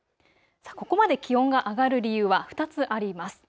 ここまで気温が上がる理由は２つあります。